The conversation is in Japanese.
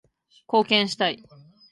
貢献したい